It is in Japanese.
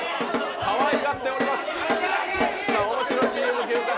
かわいがっております。